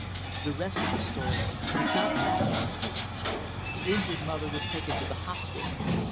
"The rest of the story does not matter, I think. The injured mother was taken to the hospital.